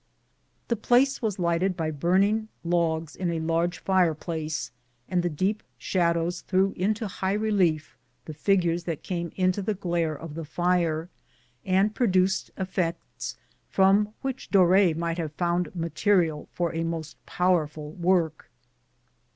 The place was lighted by burning logs in a large fireplace, and the deep shadows threw into high relief the figures that came into the glare of the fire, and produced effects from which Dore might have found material for a most powerful work.